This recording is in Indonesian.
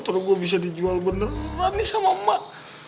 terus gue bisa dijual beneran nih sama emak